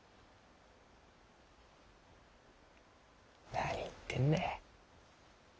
何言ってんだい。